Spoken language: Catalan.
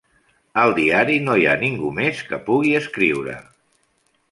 Al diari no hi ha ningú més que pugui escriure!